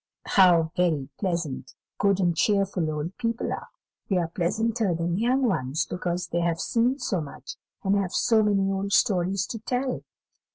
How very pleasant good and cheerful old people are! They are pleasanter than young ones, because they have seen so much, and have so many old stories to tell.